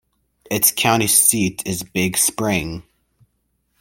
Its county seat is Big Spring.